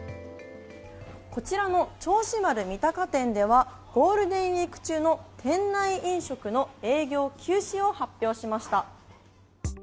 こちらの銚子丸三鷹店ではゴールデンウィーク中の店内飲食の営業休止を発表しました。